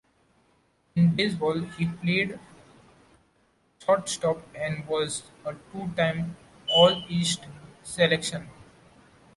In baseball, he played shortstop and was a two-time All-East selection.